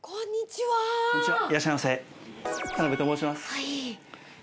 はい。